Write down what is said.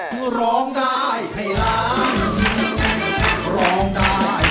สวัสดีค่ะ